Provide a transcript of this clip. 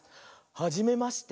「はじめまして」。